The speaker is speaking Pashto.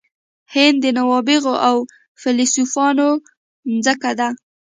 هند د نوابغو او فیلسوفانو مځکه ده.